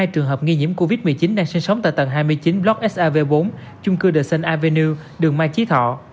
hai trường hợp nghi nhiễm covid một mươi chín đang sinh sống tại tầng hai mươi chín block sav bốn chung cư the sun avenue đường mai trí thọ